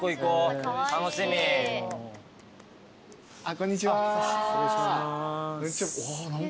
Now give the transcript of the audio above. こんにちは。